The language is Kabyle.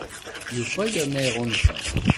Yufa yerna iɣunfa!